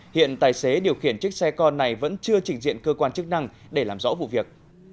hiện tài xế điều khiển chiếc xe con này vẫn chưa trình diện cơ quan chức năng để làm rõ vụ việc